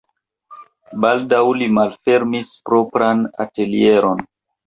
Baldaŭ li malfermis propran atelieron.